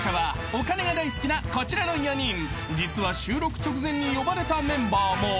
［実は収録直前に呼ばれたメンバーも］